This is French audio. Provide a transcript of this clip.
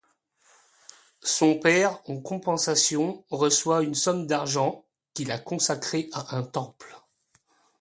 Son père en compensation reçoit une somme d'argent, qu'il a consacré à un temple.